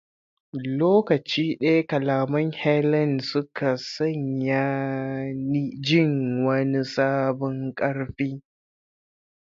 Lokaci daya kalaman Helen suka sanya ni jin wani sabon karfi.